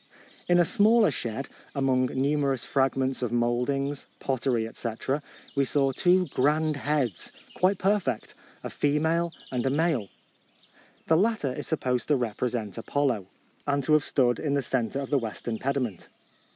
In a smaller shed, among numerous fragments of mouldings, pottery, &c., we saw two grand heads, quite perfect — a female and a male. The latter is supposed to represent Apollo, and to have stood in the centre of the western pediment.